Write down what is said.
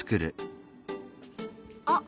あっ！